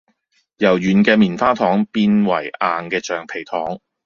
由軟嘅棉花糖變為硬嘅橡皮糖